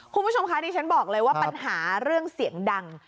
คุณผู้ชมคะดิฉันบอกเลยว่าปัญหาเรื่องเสียงดัง